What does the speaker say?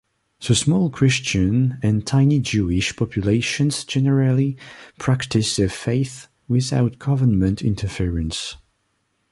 The small Christian and tiny Jewish populations generally practice their faiths without government interference.